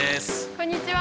こんにちは！